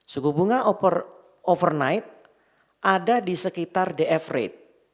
suku bunga overnight ada di sekitar df rate